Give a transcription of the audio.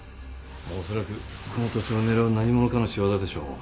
恐らくこの土地を狙う何者かの仕業でしょう。